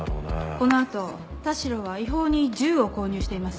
この後田代は違法に銃を購入しています。